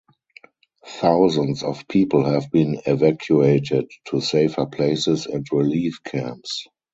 Thousands of people have been evacuated to safer places and relief camps.